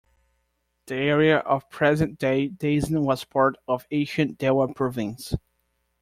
The area of present-day Daisen was part of ancient Dewa Province.